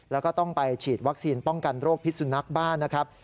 แล้วก็ต้องไปฉีดวัคซีนป้องกันโรคพิษสุนัขบ้านนะครับ